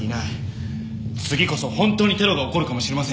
次こそホントにテロが起こるかもしれません。